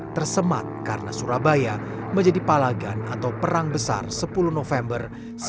tersemat karena surabaya menjadi palagan atau perang besar sepuluh november seribu sembilan ratus empat puluh